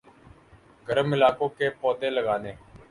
گرم علاقوں کے پودے لگانے